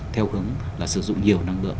theo hướng là sử dụng nhiều năng lượng